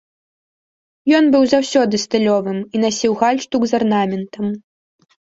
Ён быў заўсёды стылёвым і насіў гальштук з арнаментам.